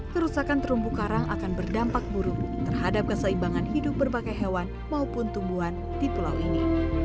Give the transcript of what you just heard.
kerusakan terumbu karang akan berdampak buruk terhadap keseimbangan hidup berbagai hewan maupun tumbuhan di pulau ini